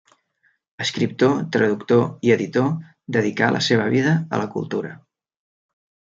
Escriptor, traductor i editor, dedicà la seva vida a la cultura.